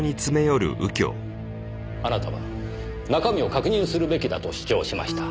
あなたは中身を確認するべきだと主張しました。